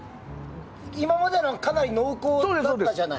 今までのはかなり濃厚だったじゃない？